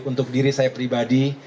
untuk diri saya pribadi